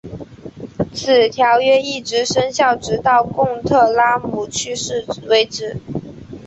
此条约一直生效直到贡特拉姆去世为止。